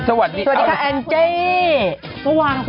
สวัสดีค่ะข้าวใส่ไข่สดใหม่เยอะสวัสดีค่ะ